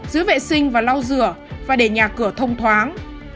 giữ vệ sinh và lau rửa và để nhà cửa thông thoáng